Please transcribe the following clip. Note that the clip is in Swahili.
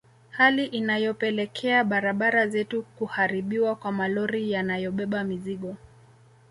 Hali inayopelekea barabara zetu kuharibiwa kwa malori yanayobeba mizigo